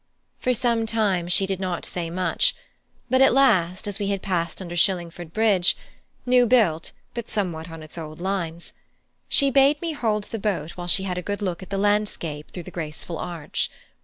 For some time she did not say much, but at last, as we had passed under Shillingford Bridge (new built, but somewhat on its old lines), she bade me hold the boat while she had a good look at the landscape through the graceful arch.